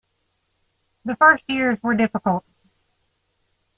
The first years were difficult.